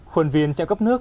khuẩn viên trạng cấp nước